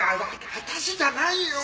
私じゃないよ！